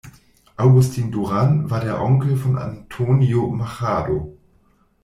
Agustín Durán war der Onkel von Antonio Machado.